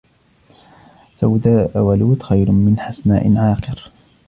سَوْدَاءُ وَلُودٌ خَيْرٌ مِنْ حَسْنَاءَ عَاقِرٍ